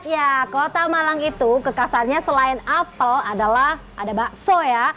ya kota malang itu kekasannya selain apel adalah ada bakso ya